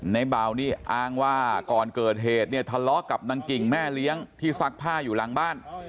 ในเบานี่อ้างว่าก่อนเกิดเหตุเนี่ยทะเลาะกับนางกิ่งแม่เลี้ยงที่ซักผ้าอยู่หลังบ้าน